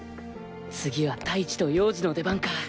次は太一と陽次の出番か。